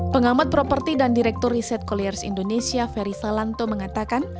pengamat properti dan direktur riset koliers indonesia ferry salanto mengatakan